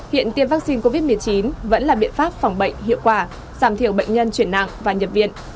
hiện tiêm vaccine covid một mươi chín vẫn là biện pháp phòng bệnh hiệu quả giảm thiểu bệnh nhân chuyển nặng và nhập viện